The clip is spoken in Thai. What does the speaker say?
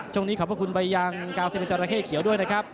ช่วงนี้ขอบคุณบัยยัง๙๐บาทจอดระเทศเขียวด้วยนะครับ